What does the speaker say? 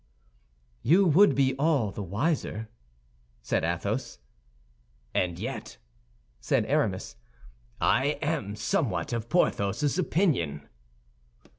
"You would be all the wiser," said Athos. "And yet," said Aramis, "I am somewhat of Porthos's opinion."